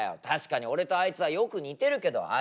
確かに俺とあいつはよく似てるけど。